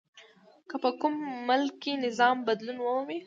که په کوم ملک کې نظام بدلون ومومي.